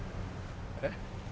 えっ？